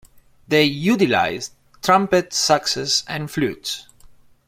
They utilized trumpets, saxes, and flutes.